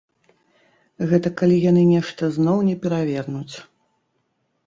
Гэта калі яны нешта зноў не перавернуць.